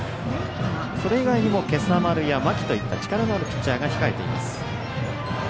それ以外にも今朝丸や間木といった力のあるピッチャーが控えています。